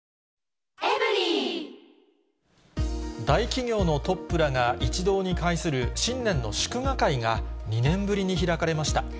大企業のトップらが一堂に会する新年の祝賀会が、２年ぶりに開かれました。